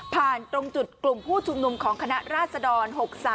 ตรงจุดกลุ่มผู้ชุมนุมของคณะราษฎร๖๓